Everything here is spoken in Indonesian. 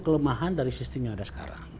kelemahan dari sistem yang ada sekarang